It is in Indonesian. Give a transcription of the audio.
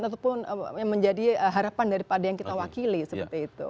ataupun yang menjadi harapan daripada yang kita wakili seperti itu